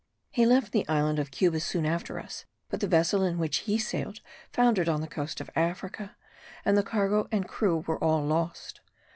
He left the island of Cuba soon after us, but the vessel in which he sailed foundered on the coast of Africa, and the cargo and crew were all lost.